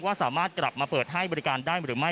สามารถกลับมาเปิดให้บริการได้หรือไม่